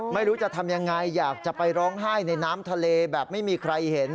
ไม่รู้จะทำยังไงอยากจะไปร้องไห้ในน้ำทะเลแบบไม่มีใครเห็น